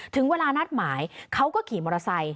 ถึงเวลานัดหมายเขาก็ขี่มอเตอร์ไซค